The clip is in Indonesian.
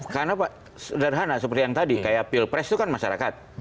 karena sederhana seperti yang tadi kayak pilpres itu kan masyarakat